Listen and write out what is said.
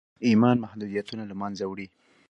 ايمان محدوديتونه له منځه وړي.